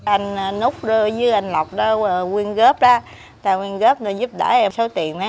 anh úc với anh lộc đã quyên góp ra đã quyên góp ra giúp đỡ em số tiền